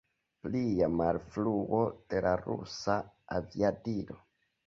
Plia malfruo de la rusa aviadilo.